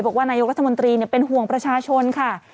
บอกว่านายกรัฐมนตรีเป็นห่วงประชาชนค่ะ